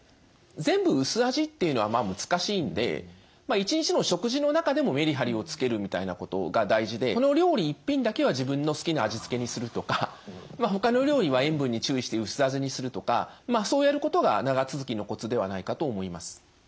全部薄味っていうのは難しいんで一日の食事の中でもメリハリをつけるみたいなことが大事でこの料理１品だけは自分の好きな味付けにするとかほかの料理は塩分に注意して薄味にするとかそうやることが長続きのコツではないかと思います。